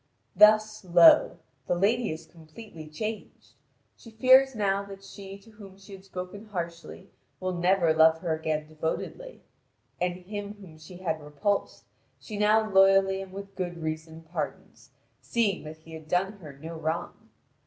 Thus, lo! the lady is completely changed: she fears now that she to whom she had spoken harshly will never love her again devotedly; and him whom she had repulsed, she now loyally and with good reason pardons, seeing that he had done her no wrong.